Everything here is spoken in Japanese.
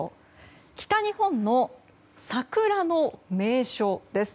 北日本の桜の名所です。